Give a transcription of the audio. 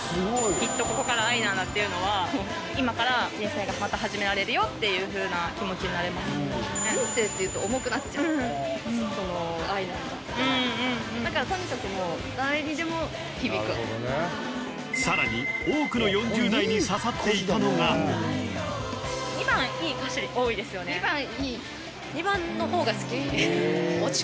「きっとここから愛なんだ」っていうのは今から人生がまた始められるよっていうふうな気持ちになれます「人生」っていうと重くなっちゃうその「愛なんだ」だからとにかくもう誰にでも響くさらに多くのだなって思ってたんだけど見るとすごくない？